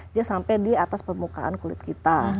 dia sampai di atas permukaan kulit kita